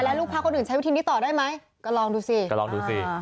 แล้วลูกพาคนอื่นใช้วิธีนี้ต่อได้ไหมก็ลองดูสิ